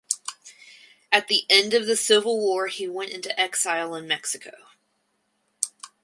At the end of the civil war he went into exile in Mexico.